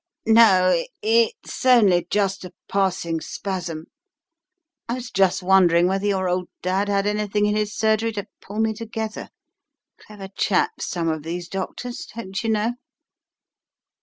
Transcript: "No, it's only just a passing spasm. I was just wondering whether your old dad had anything in his surgery to pull me together, clever chaps some of these doctors, dontcher know."